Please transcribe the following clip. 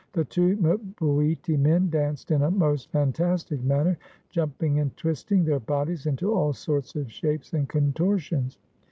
The two mbuiti men danced in a most fantastic manner, jumping and twisting their bodies into all sorts of shapes and contortions.